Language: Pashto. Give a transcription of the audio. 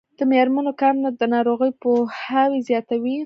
د میرمنو کار د ناروغیو پوهاوی زیاتوي.